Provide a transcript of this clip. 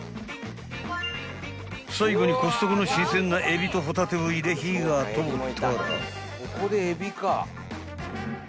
［最後にコストコの新鮮な海老とホタテを入れ火が通ったら］